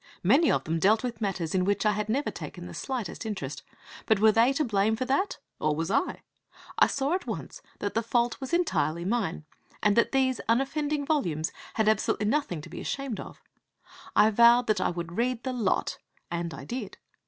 Many of them dealt with matters in which I had never taken the slightest interest. But were they to blame for that? or was I? I saw at once that the fault was entirely mine, and that these unoffending volumes had absolutely nothing to be ashamed of. I vowed that I would read the lot, and I did.